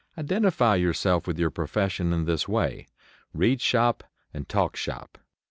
Identify yourself with your profession in this way; read "shop" and talk "shop."